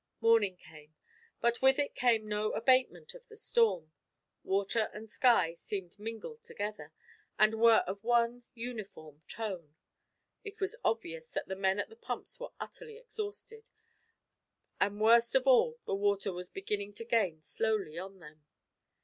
Morning came, but with it came no abatement of the storm. Water and sky seemed mingled together, and were of one uniform tone. It was obvious that the men at the pumps were utterly exhausted, and worst of all the water was beginning to gain slowly on them.